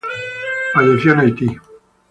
Falleció en Haití.